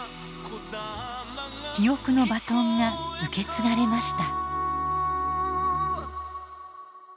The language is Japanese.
記憶のバトンが受け継がれました。